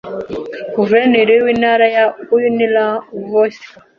Guverineri w'intara ya Ulyanovsk,